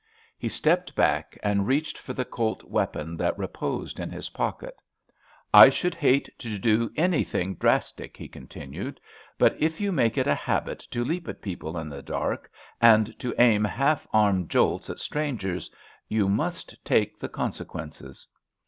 He stepped back and reached for the Colt weapon that reposed in his pocket. "I should hate to do anything drastic," he continued; "but if you make it a habit to leap at people in the dark, and to aim half arm jolts at strangers, you must take the consequences."